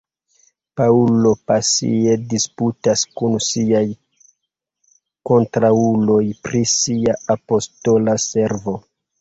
Paŭlo pasie disputas kun siaj kontraŭuloj pri sia apostola servo.